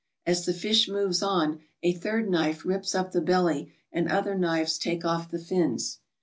As the fish moves on a third knife rips up the belly and other knives take off the fins.